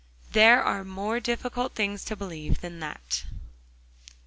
There are more difficult things to believe than that.